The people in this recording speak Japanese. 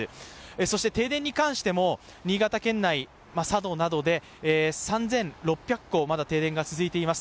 そして停電に関しても、新潟県内、佐渡などで３６００戸、まだ停電が続いています。